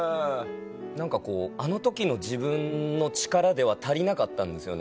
何かこうあの時の自分の力では足りなかったんですよね。